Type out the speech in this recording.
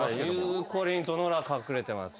ゆうこりんとノラ隠れてます。